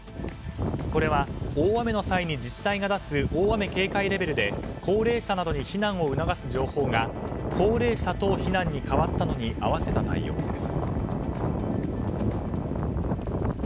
これは大雨の際に自治体が出す大雨警戒レベルで高齢者などに避難を促す情報が高齢者等避難に変わったのに合わせた対応です。